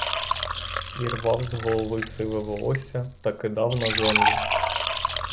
І рвав з голови сиве волосся та кидав на землю.